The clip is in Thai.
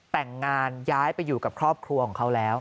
แต่งงานย้ายไปอยู่กับครอบครัวของเขาแล้ว